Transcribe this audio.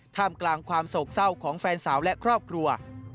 ท่ามกลางความโศกเศร้าของแฟนสาวและครอบครัว